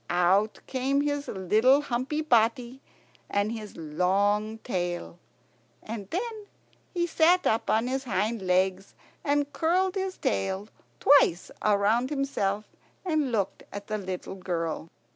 Out came his little humpy body and his long tail. And then he sat up on his hind legs, and curled his tail twice round himself and looked at the little girl.